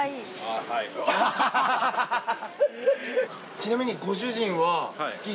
ちなみにご主人は。